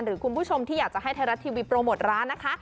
หรือคุณผู้ชมที่อยากจะให้ไทยรัฐทีวีโปรโมทร้านนะคะ